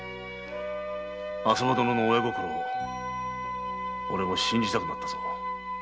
浅葉殿の親心を俺も信じたくなったぞ。